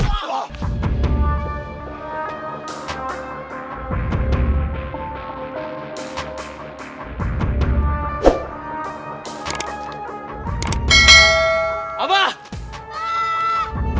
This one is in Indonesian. kau harus hafal penuh ya